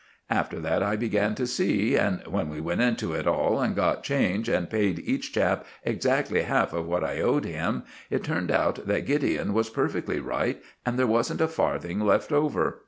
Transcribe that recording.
After that I began to see; and when we went into it all and got change, and paid each chap exactly half of what I owed him, it turned out that Gideon was perfectly right, and there wasn't a farthing left over.